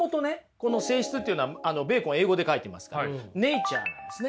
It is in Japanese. この性質っていうのはベーコン英語で書いてますからネイチャーなんですね。